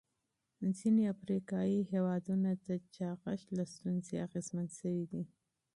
ځینې افریقایي هېوادونه د چاغښت له ستونزې اغېزمن شوي دي.